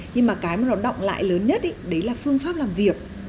nhưng mà cái mà nó động lại lớn nhất đấy là phương pháp làm việc